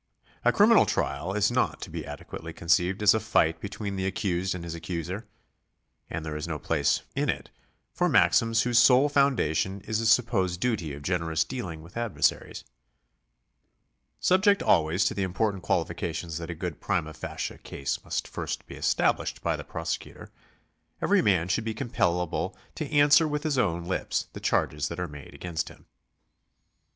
A criminal trial is not to be adequately conceived as a fight between the accused and his accuser ; and there is no place in it for maxims whose sole foundation is a supposed duty of generous dealing with adversaries. Subject always to the important qualification that a good prima facie case must first be established by the prosecutor, every man should be compellable to answer with his own lips the charges that are made against him.